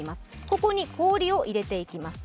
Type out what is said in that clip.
ここに氷を入れていきます。